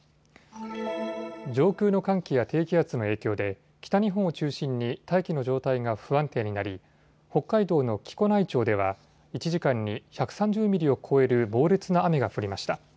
上空の寒気や低気圧の影響で北日本を中心に大気の状態が不安定になり北海道の木古内町では１時間に１３０ミリを超える猛烈な雨が降りました。